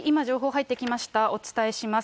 お伝えします。